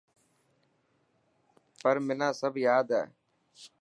پر منا سب ياد هي.